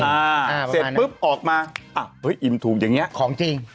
อ่าอ่าประมาณนั้นเสร็จปุ๊บออกมาอ่ะเฮ้ยอิ่มถูกอย่างเงี้ยของจริง